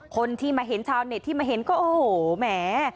คนที่มาเห็นชาวเน็ตที่มาเห็นก็โอ้โหแหม